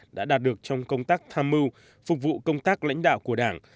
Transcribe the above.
đã đạt được trong công tác tham mưu phục vụ công tác lãnh đạo của đảng